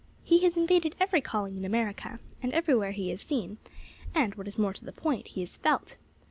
He has invaded every calling in America, and everywhere he is seen; and, what is more to the point, he is felt.